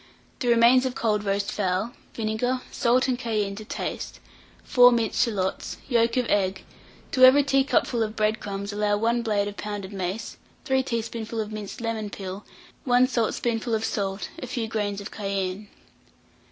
The remains of cold roast fowl, vinegar, salt and cayenne to taste, 4 minced shalots, yolk of egg; to every teacupful of bread crumbs allow 1 blade of pounded mace, 5 teaspoonful of minced lemon peel, 1 saltspoonful of salt, a few grains of cayenne.